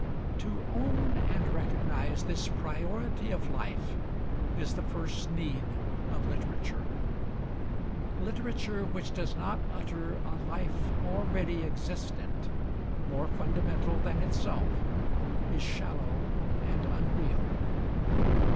To own and recognize this priority of life is the first need of literature. Literature which does not utter a life already existent, more fundamental than itself, is shallow and unreal.